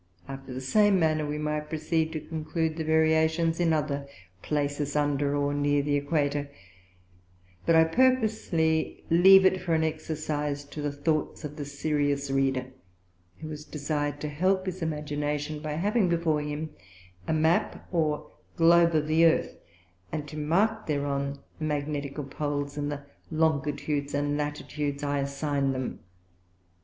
After the same manner we might proceed to conclude the Variations in other places under and near the Equator; but I purposely leave it for an Exercise to the Thoughts of the serious Reader, who is desir'd to help his Imagination, by having before him a Map or Globe of the Earth: And to mark thereon the Magnetical Poles in the Longitudes and Latitudes I assign them.